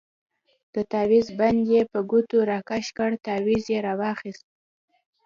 د تاويز بند يې په ګوتو راكښ كړ تاويز يې راوايست.